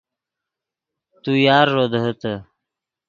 تو یارݱو دیہیتے